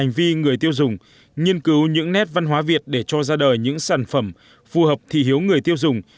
hành vi người tiêu dùng nghiên cứu những nét văn hóa việt để cho ra đời những sản phẩm phù hợp thị hiếu người tiêu dùng